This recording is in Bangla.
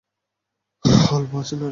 অল্প আঁচে নাড়ুন কিছুক্ষণ।